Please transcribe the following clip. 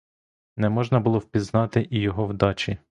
Не можна було впізнати і його вдачі.